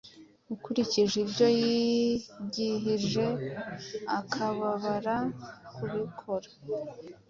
Ukurikije ibyo yigihije akababara kubikora,